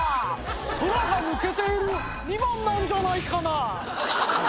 空が抜けている②番なんじゃないかな。